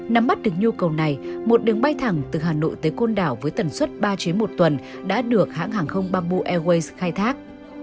nắm mắt được nhu cầu này một đường bay thẳng từ hà nội tới côn đảo với tần suất ba chuyến một tuần đã được hãng hàng không bamboo airways khai thác